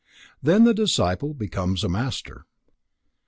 Then the disciple becomes a Master.